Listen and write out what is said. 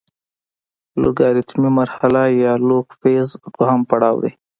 لوګارتمي مرحله یا لوګ فیز دویم پړاو دی.